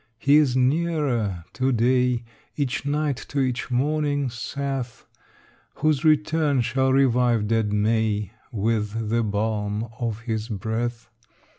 He is nearer to day, Each night to each morning saith, Whose return shall revive dead May With the balm of his breath.